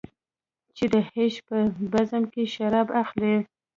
چې د عیش په بزم کې شراب اخلې.